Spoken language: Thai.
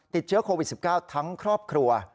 ติดเชื้อโควิด๑๙ทั้งครอบครัว